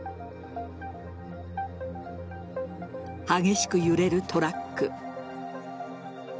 激しく揺れるトラック。